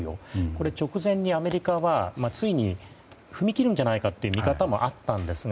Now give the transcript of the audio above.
これは直前にアメリカはついに踏み切るんじゃないかとの見方もあったんですが